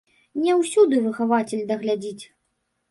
Не ўсюды выхавацель даглядзіць.